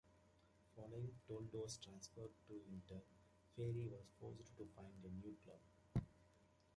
Following Toldo's transfer to Inter, Frey was forced to find a new club.